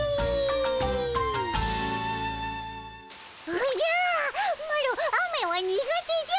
おじゃマロ雨は苦手じゃ！